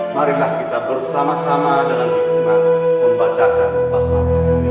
marilah kita bersama sama dengan hikmah